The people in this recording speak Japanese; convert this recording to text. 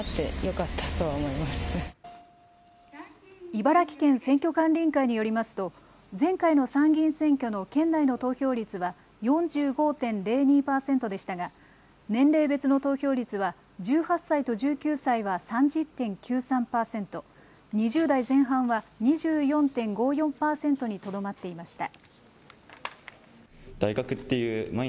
茨城県選挙管理委員会によりますと前回の参議院選挙の県内の投票率は４５．０２％でしたが年齢別の投票率は１８歳と１９歳は３０．９３％、２０代前半は２４．５４％にとどまっていました。